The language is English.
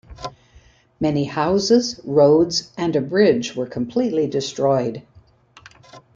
Many houses, roads and a bridge were completely destroyed.